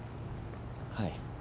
はい。